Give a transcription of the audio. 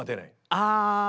ああ！